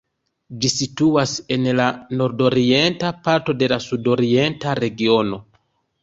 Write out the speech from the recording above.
Ĝi situas en la nordorienta parto de la sudorienta regiono.